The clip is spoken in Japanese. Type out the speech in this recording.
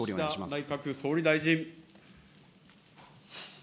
岸田内閣総理大臣。